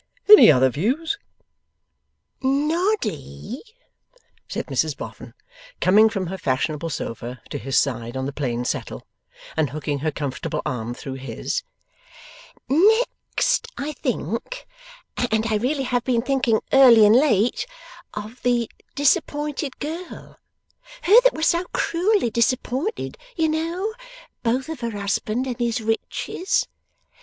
'Any other views?' 'Noddy,' said Mrs Boffin, coming from her fashionable sofa to his side on the plain settle, and hooking her comfortable arm through his, 'Next I think and I really have been thinking early and late of the disappointed girl; her that was so cruelly disappointed, you know, both of her husband and his riches.